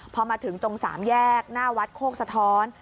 พอมาถึงตรงสามแยกหน้าวัดโคกสะท้อน